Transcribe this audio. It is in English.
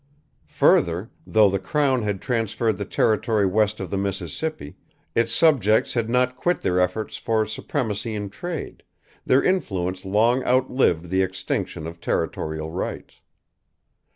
Further, though the crown had transferred the territory west of the Mississippi, its subjects had not quit their efforts for supremacy in trade; their influence long outlived the extinction of territorial rights.